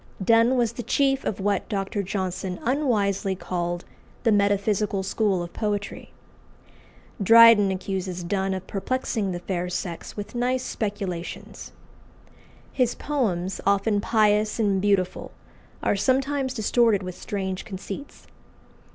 Donne was the chief of what Dr. Johnson unwisely called "the metaphysical school of poetry." Dryden accuses Donne of perplexing the fair sex with nice speculations. His poems, often pious and beautiful, are sometimes distorted with strange conceits.